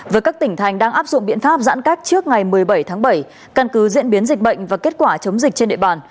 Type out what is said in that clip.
với các tỉnh thành đang áp dụng biện pháp giãn cách trước ngày một mươi bảy tháng bảy căn cứ diễn biến dịch bệnh và kết quả chống dịch trên địa bàn